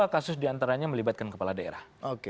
dua puluh dua kasus diantaranya melibatkan kepala daerah